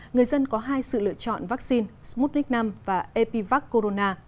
người dân có hai sự lựa chọn vaccine sputnik v và epivac corona